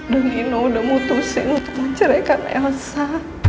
dan nino udah mutusin untuk menceraikan elsa